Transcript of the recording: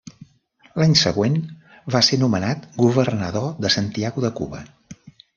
L'any següent va ser nomenat governador de Santiago de Cuba.